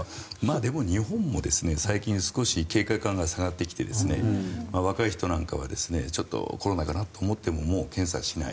でも日本も最近、警戒感が下がってきて若い人なんかはちょっとコロナかなと思ってももう検査しない。